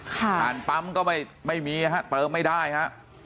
ปั๊มก็ไม่มีฮะเติมไม่ได้ฮะ